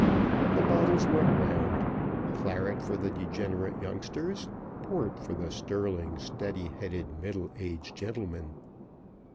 The bottles went round claret for the degenerate youngsters; port for the sterling, steady headed, middle aged gentlemen.